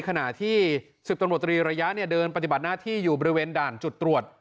ขณะที่๑๐ตำรวจตรีระยะเดินปฏิบัติหน้าที่อยู่บริเวณด่านจุดตรวจ